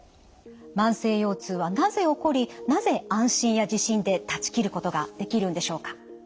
慢性腰痛はなぜ起こりなぜ安心や自信で断ち切ることができるんでしょうか？